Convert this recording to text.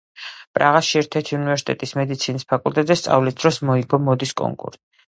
პრაღაში ერთ-ერთი უნივერსიტეტის მედიცინის ფაკულტეტზე სწავლის დროს მოიგო მოდის კონკურსი.